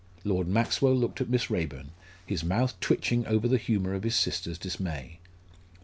Lord Maxwell looked at Miss Raeburn, his mouth twitching over the humour of his sister's dismay.